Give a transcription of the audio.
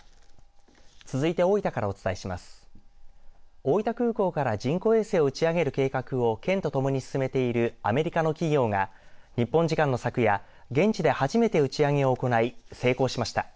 大分空港から人工衛星を打ち上げる計画を県とともに進めているアメリカの企業が日本時間の昨夜、現地で初めて打ち上げを行い成功しました。